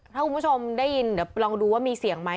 ถ้าคุณผู้ชมได้ยินเดี๋ยวลองดูว่ามีเสียงไหม